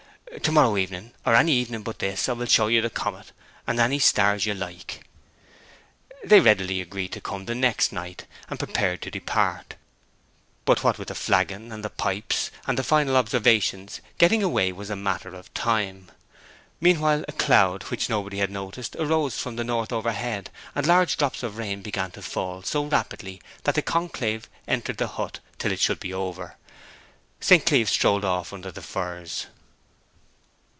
To morrow evening, or any evening but this, I will show you the comet and any stars you like.' They readily agreed to come the next night, and prepared to depart. But what with the flagon, and the pipes, and the final observations, getting away was a matter of time. Meanwhile a cloud, which nobody had noticed, arose from the north overhead, and large drops of rain began to fall so rapidly that the conclave entered the hut till it should be over. St. Cleeve strolled off under the firs.